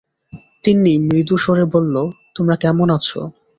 তিন্নি মৃদুস্বরে বলল, তোমরা কেমন আছ?